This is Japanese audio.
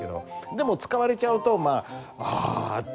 でも使われちゃうとまあ「あ」って。